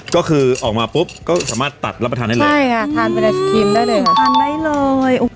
ก็คือออกมาปุ๊บก็สามารถตัดแล้วไปทานได้เลยใช่ค่ะทานไปได้เลยอุ้ย